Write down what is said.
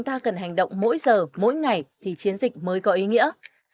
ta cần hành động mỗi giờ mỗi ngày thì chiến dịch mới có ý nghĩa